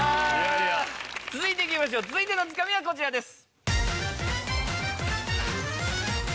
続いていきましょう続いてのツカミはこちらです。